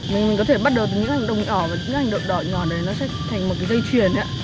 mình có thể bắt đầu từ những hành động nhỏ và những hành động đỏ nhỏ đấy nó sẽ thành một cái dây chuyền ạ